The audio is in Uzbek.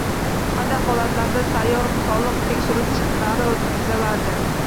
Qanday holatlarda sayyor soliq tekshiruvlari o‘tkaziladi?